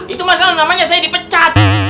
itu masalah namanya saya dipecat